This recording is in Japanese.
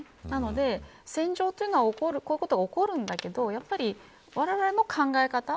なので、戦場というのはこういうことが起こるんだけれどやっぱり、われわれも考え方